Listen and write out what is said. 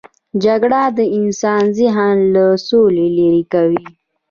جګړه د انسان ذهن له سولې لیرې کوي